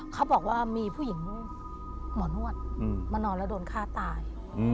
เขาบอกว่ามีผู้หญิงหมอนวดมานอนแล้วโดนฆ่าตาย